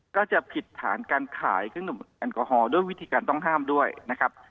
ก็จะผิดฐานการขายเครื่องดื่มแอลกอฮอล์ด้วยวิธีการต้องห้ามด้วยนะครับ